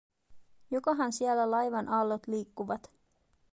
Jokohan siellä laivan aallot liikkuvat?